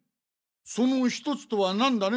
そのひとつとは何だね？